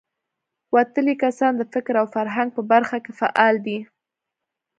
وتلي کسان د فکر او فرهنګ په برخه کې فعال دي.